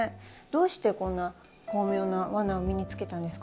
どうしてこんな巧妙なワナを身につけたんですかね？